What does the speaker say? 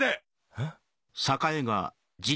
えっ？